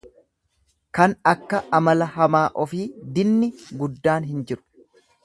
Kan akka amala hamaa ofii dinni guddaan hin jiru.